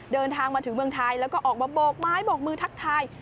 เดินทางมาถึงเมืองไทยแล้วก็ออกมาโบกไม้โบกมือทักทาย